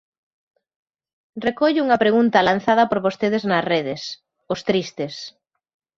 Recollo unha pregunta lanzada por vostede nas redes: Os Tristes.